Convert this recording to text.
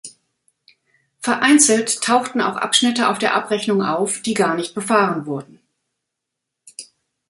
Vereinzelt tauchten auch Abschnitte auf der Abrechnung auf, die gar nicht befahren wurden.